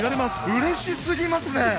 うれしすぎますね！